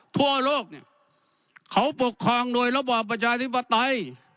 ทั่วโลกเนี่ยเขาปกครองโดยระบอบประชาธิปไตย